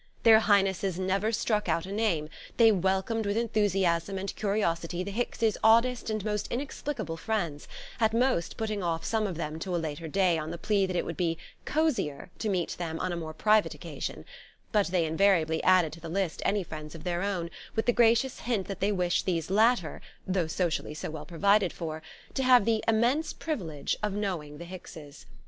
Their Highnesses never struck out a name; they welcomed with enthusiasm and curiosity the Hickses' oddest and most inexplicable friends, at most putting off some of them to a later day on the plea that it would be "cosier" to meet them on a more private occasion; but they invariably added to the list any friends of their own, with the gracious hint that they wished these latter (though socially so well provided for) to have the "immense privilege" of knowing the Hickses.